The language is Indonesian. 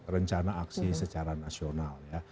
rencana aksi secara nasional